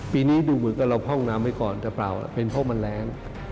ปีนี้ดูเหมือนกับเราพ่องน้ำไว้ก่อนจะเปล่าเป็นเพราะมันแรง